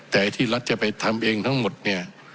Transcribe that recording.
แต่ที่รัฐจะไปทำเองทั้งหมดเนี่ย